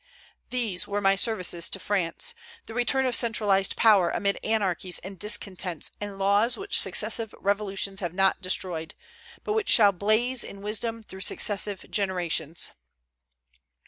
These were my services to France, the return of centralized power amid anarchies and discontents and laws which successive revolutions have not destroyed, but which shall blaze in wisdom through successive generations."